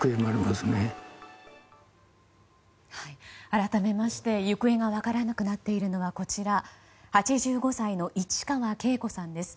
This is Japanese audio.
改めまして行方が分からなくなっているのは８５歳の市川敬子さんです。